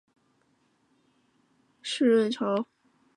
万历十年壬午科湖广乡试举人。